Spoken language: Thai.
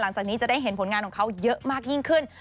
หลังจากนี้จะได้เห็นผลงานของเขาเยอะมากยิ่งขึ้น